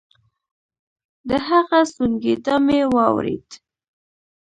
د هغه سونګېدا مې واورېد.